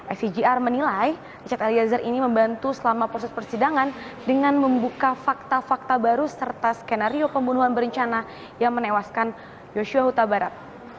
icgr menilai richard eliezer ini membantu selama proses persidangan dengan membuka fakta fakta baru serta skenario pembunuhan berencana yang menewaskan yosua huta barat